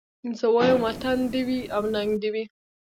زه وايم وطن دي وي او ننګ دي وي